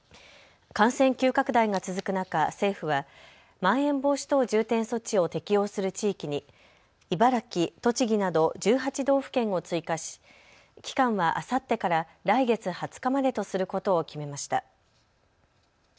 感染急拡大が続く中政府はまん延防止等重点措置を適用する地域に茨城、栃木など１８道府県を追加し期間はあさってから来月２０日までとすることを決めました。